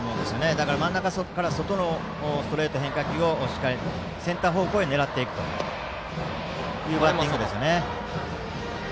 だから真ん中から外の変化球をセンター方向へ狙っていくというバッティングですね。